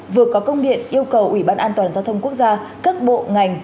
vừa có công điện yêu cầu ủy ban an toàn giao thông quốc gia các bộ ngành